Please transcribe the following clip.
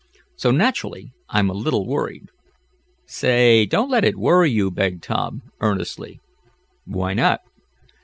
So, naturally, I'm a little worried." "Say, don't let it worry you," begged Tom, earnestly. "Why not?"